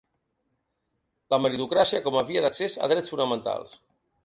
La meritocràcia com a via d'accés a drets fonamentals.